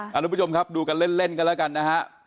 ทุกผู้ชมครับดูกันเล่นกันแล้วกันนะฮะ